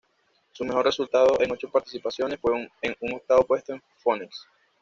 Su mejor resultado en ocho participaciones fue un octavos puesto en Phoenix.